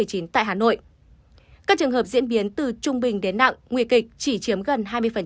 các trường hợp diễn biến từ trung bình đến nặng nguy kịch chỉ chiếm gần hai mươi